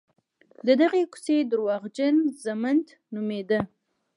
د دغې کوڅې درواغجن ضمټ نومېده.